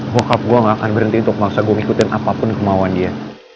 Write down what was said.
wukub gue gak akan berhenti untuk maksa gue ngikutin apapun kemauan dia